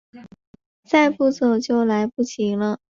再不走就来不及了